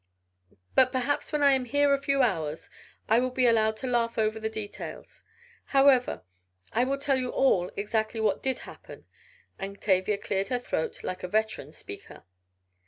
But perhaps when I am here a few hours, I will be allowed to laugh over the details. However, I will tell you all exactly what did happen," and Tavia cleared her throat like a veteran speaker.